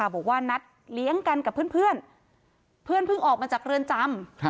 บอกว่านัดเลี้ยงกันกับเพื่อนเพื่อนเพิ่งออกมาจากเรือนจำ